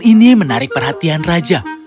ini menarik perhatian raja